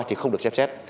thì không được xem xét